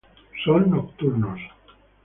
Son nocturnos.